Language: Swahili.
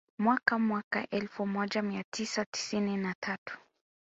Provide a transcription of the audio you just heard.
Mwaka mwaka elfu moja mia tisa tisini na tatu